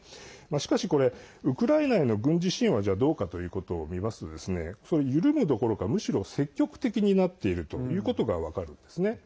しかしウクライナへの軍事支援はどうかということを見ますと緩むどころか、むしろ積極的になっているということが分かるんですね。